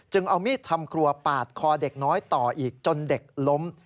เอามีดทำครัวปาดคอเด็กน้อยต่ออีกจนเด็กล้ม